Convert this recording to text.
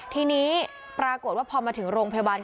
ทีนี้ปรากฏว่าพอมาถึงโรงพยาบาล